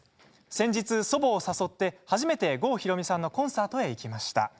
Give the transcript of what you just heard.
先月、祖母誘って初めて郷ひろみさんのコンサートに行きました。